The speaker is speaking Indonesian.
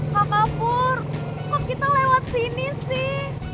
kakak pur kok kita lewat sini sih